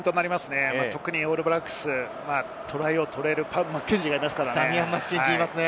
特にオールブラックスはトライを取れるマッケンジーがいますからね。